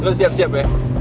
lo siap siap ya